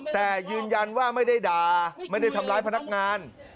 แต่ยืนยันว่าไม่ได้ด่าไม่ได้ทำร้ายพนักงาน